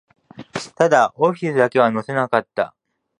ただ、オフィスだけは乗せなかった